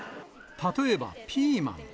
例えばピーマン。